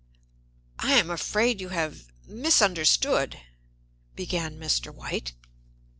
"I am afraid you have misunderstood," began Mr. White.